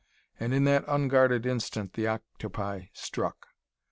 And in that unguarded instant the octopi struck.